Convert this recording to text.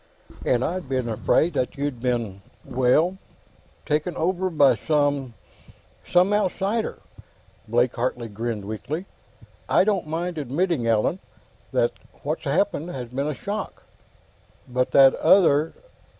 "And I'd been afraid that you'd been, well, taken over by some ... some outsider." Blake Hartley grinned weakly. "I don't mind admitting, Allan, that what's happened has been a shock. But that other